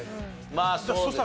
まあそうですね。